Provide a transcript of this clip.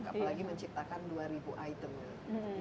apalagi menciptakan dua ribu item